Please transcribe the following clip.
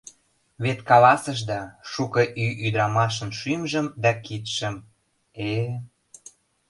Вет каласышда: шуко ий ӱдырамашын шӱмжым да кидшым, э...